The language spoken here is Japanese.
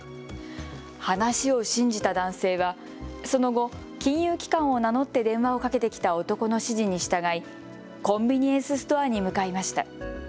話を信じた男性はその後、金融機関を名乗って電話をかけてきた男の指示に従いコンビニエンスストアに向かいました。